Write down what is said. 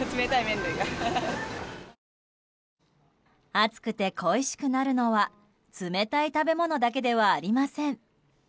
暑くて恋しくなるのは冷たい食べ物だけではありません。